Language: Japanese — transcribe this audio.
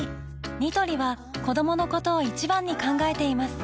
ニトリは子どものことを一番に考えています